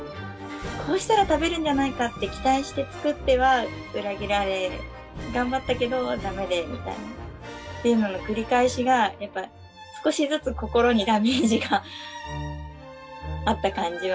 こうしたら食べるんじゃないかって期待して作っては裏切られ頑張ったけどダメでみたいなっていうのの繰り返しが少しずつ心にダメージがあった感じはします。